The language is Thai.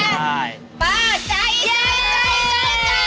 ภาร์ทใจเย้ย